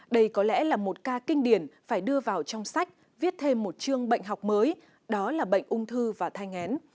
đây có lẽ là một ca kinh điển phải đưa vào trong sách viết thêm một chương bệnh học mới đó là bệnh ung thư và thai ngén